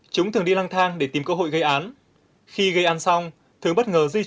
chúng thường đi lang thang để tìm kiếm